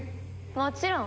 もちろん。